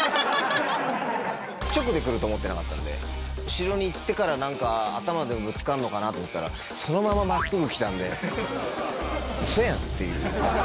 直で来ると思ってなかったんで、後ろにいってから、なんか頭にでもぶつかるのかなって思ったら、そのまままっすぐ来たんで、うそやんっていう。